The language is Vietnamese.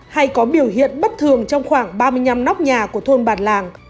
hay có biểu hiện bất thường trong khoảng ba mươi năm nóc nhà của thôn bản làng